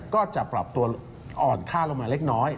ก็จะปรับตัวอ่อนค่าลงมาเล็กน้อย